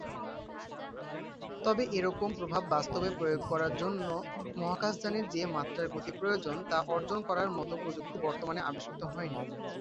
তবে এরকম প্রভাব বাস্তবে প্রয়োগ করার জন্য মহাকাশযানের যে মাত্রার গতি প্রয়োজন, তা অর্জন করার মত প্রযুক্তি বর্তমানে আবিষ্কৃত হয়নি।